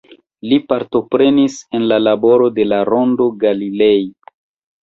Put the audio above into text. Li partoprenis en la laboro de la Rondo Galilei.